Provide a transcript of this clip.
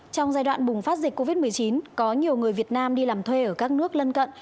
trong giai đoạn bùng phát dịch covid một mươi chín có nhiều người việt nam đi làm thuê ở các nước lân cận